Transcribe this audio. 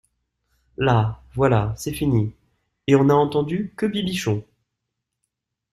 Là, voilà c'est fini ; et on n'a entendu que Bibichon !